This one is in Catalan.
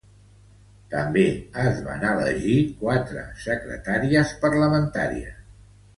També es van elegir quatre secretaries parlamentàries.